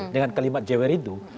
dengan kalimat jewer itu